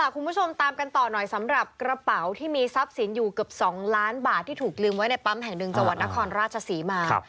คุณผู้ชมตามกันต่อหน่อยสำหรับกระเป๋าที่มีทรัพย์สินอยู่เกือบ๒ล้านบาทที่ถูกลืมไว้ในปั๊มแห่งหนึ่งจังหวัดนครราชศรีมา